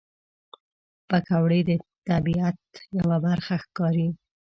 پکورې د طبیعت یوه برخه ښکاري